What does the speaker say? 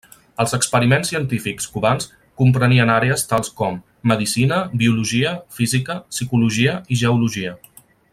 Els experiments científics cubans comprenien àrees tals com: medicina, biologia, física, psicologia i geologia.